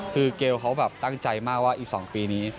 คือเกลเขาแบบตั้งใจมากว่าอีก๒ปีนี้